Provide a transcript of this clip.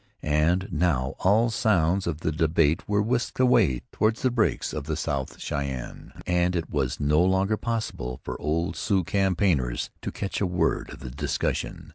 And now all sounds of the debate were whisked away toward the breaks of the South Shyenne,[*] and it was no longer possible for old Sioux campaigners to catch a word of the discussion.